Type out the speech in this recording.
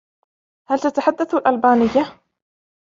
هل تتحدث الألبانية ؟